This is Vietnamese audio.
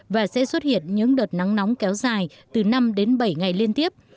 và sẽ xuất hiện những đợt nắng nóng kéo dài từ năm đến bảy ngày liên tiếp